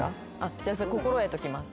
じゃあ心得ときます。